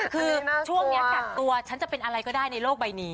คือช่วงนี้กักตัวฉันจะเป็นอะไรก็ได้ในโลกใบนี้